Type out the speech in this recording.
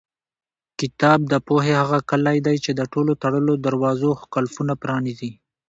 کتاب د پوهې هغه کلۍ ده چې د ټولو تړلو دروازو قلفونه پرانیزي.